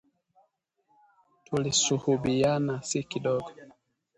Tulisuhubiana si kidogo